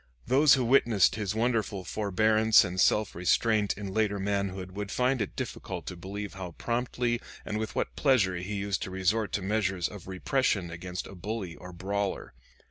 Those who witnessed his wonderful forbearance and self restraint in later manhood would find it difficult to believe how promptly and with what pleasure he used to resort to measures of repression against a bully or brawler.